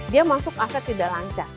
dia masuk aset tidak lancar